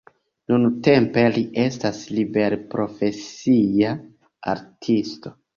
Nuntempe li estas liberprofesia artisto.